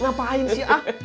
ngapain sih ah